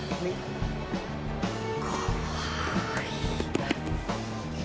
かわいい。